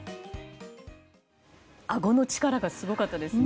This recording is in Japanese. あごの力がすごかったですね。